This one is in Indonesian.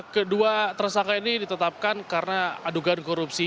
kedua tersangka ini ditetapkan karena adugan korupsi